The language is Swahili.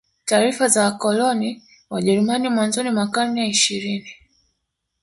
Taarifa za wakoloni Wajeruami mwanzoni wa karne ya ishirini